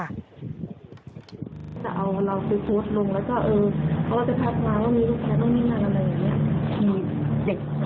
ไม่มีค่ะ